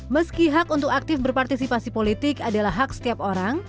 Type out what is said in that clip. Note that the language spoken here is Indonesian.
meski hak untuk aktif berpartisipasi politik adalah hak setiap orang